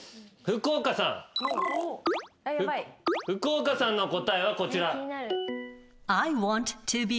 福岡さんの答えはこちら。